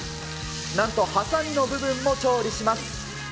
なんとはさみの部分も調理します。